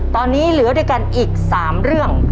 ตอนนี้เหลือด้วยกันอีก๓เรื่อง